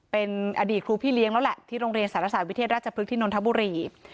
เป็นอดีตครูพี่เลี้ยงแล้วแหละที่โรงเรียนสารศาสตวิเทศราชพฤกษ์นนทบุรี